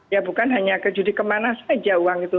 ya bukan hanya kejudi kemana saja uang itu